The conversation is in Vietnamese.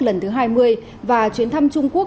lần thứ hai mươi và chuyến thăm trung quốc